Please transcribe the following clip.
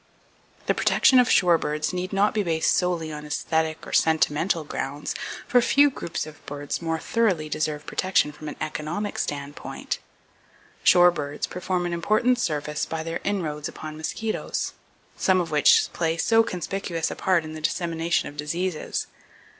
The protection of shorebirds need not be based solely on esthetic or sentimental grounds, for few groups of birds more thoroughly deserve protection from an economic standpoint. Shorebirds perform an important service by their inroads upon mosquitoes, some of which play so conspicuous a part in the dissemination of diseases.